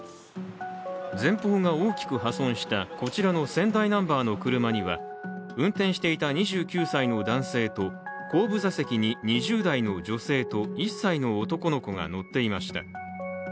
前方が大きく破損したこちらの仙台ナンバーの車には運転していた２９歳の男性と後部座席に２０代の女性と１歳の男の子が乗っていました。